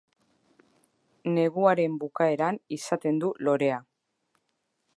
Neguaren bukaeran izaten du lorea.